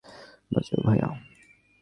বাজাও, ভায়া।